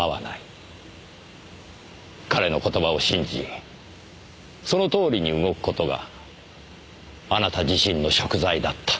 彼の言葉を信じそのとおりに動く事があなた自身の贖罪だった。